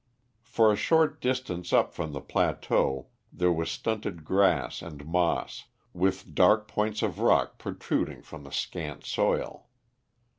For a short distance up from the plateau there was stunted grass and moss, with dark points of rock protruding from the scant soil.